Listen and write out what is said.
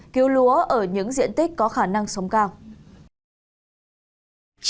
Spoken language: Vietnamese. cứu lúa ở những diện tích có khả năng sống cao